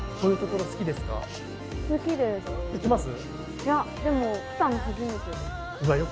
いやでも来たの初めてです。